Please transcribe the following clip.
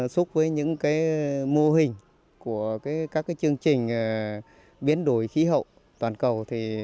xúc với những mô hình của các chương trình biến đổi khí hậu toàn cầu